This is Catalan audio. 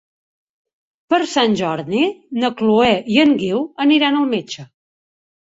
Per Sant Jordi na Chloé i en Guiu aniran al metge.